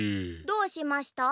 どうしました？